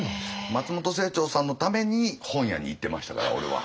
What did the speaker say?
松本清張さんのために本屋に行ってましたから俺は。